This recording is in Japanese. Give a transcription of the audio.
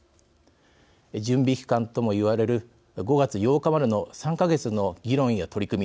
準備期間とも言われる５月８日までの３か月の議論や取り組み